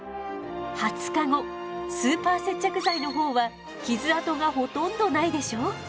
２０日後スーパー接着剤のほうは傷痕がほとんどないでしょう？